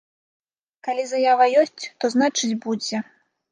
Калі заява ёсць, то значыць будзе.